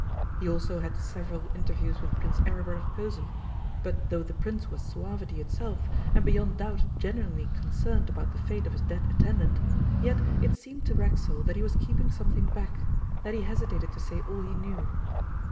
He also had several interviews with Prince Aribert of Posen, but though the Prince was suavity itself and beyond doubt genuinely concerned about the fate of his dead attendant, yet it seemed to Racksole that he was keeping something back, that he hesitated to say all he knew.